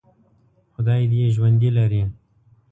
خدای دې یې ژوندي لري.